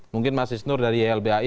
mungkin mas isnur dari ylbhi